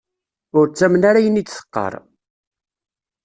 Ur ttamen ara ayen i d-teqqar.